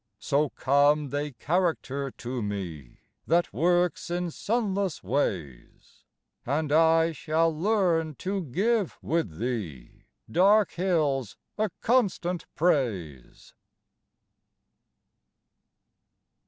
So come they character to me That works in sunless ways, And I shall learn to give with thee Dark hills a constant praise.